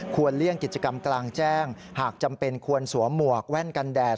เลี่ยงกิจกรรมกลางแจ้งหากจำเป็นควรสวมหมวกแว่นกันแดด